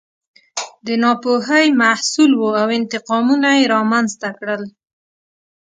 د ناپوهۍ محصول و او انتقامونه یې رامنځته کړل.